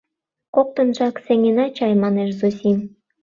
— Коктынжак сеҥена чай, — манеш Зосим.